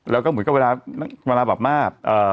แล้วก็เหมือนกับเวลาแบบมาก